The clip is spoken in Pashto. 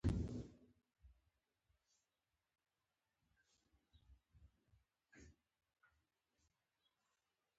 یوازې همدا ډله پر اسلام باور لري.